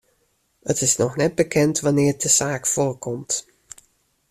It is noch net bekend wannear't de saak foarkomt.